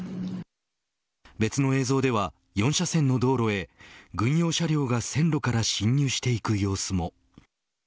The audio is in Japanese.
別の映像では、４車線の道路へ軍用車両が線路から侵入していく様子も。